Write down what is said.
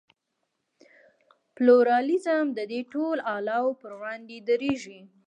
پلورالېزم د دې ډول اعلو پر وړاندې درېږي.